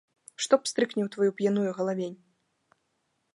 Што пстрыкне ў тваю п'яную галавень.